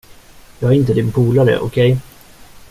Jag är inte din polare, okej?